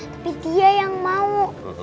tapi dia yang mau